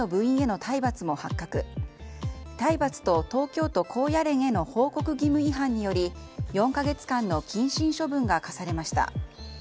体罰と東京都高野連への報告義務違反により４か月間の謹慎処分が科されました。